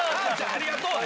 ありがとうね。